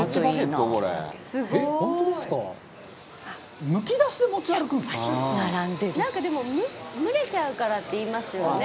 「なんかでも蒸れちゃうからって言いますよね